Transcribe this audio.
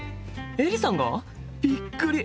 エリさんが！？びっくり！